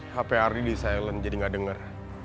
hp ardi di silent jadi nggak dengar